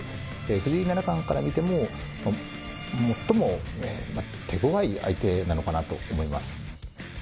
藤井七冠から見ても、最も手ごわい相手なのかなと思います。